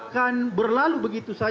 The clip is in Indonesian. dan pelaku penyiraman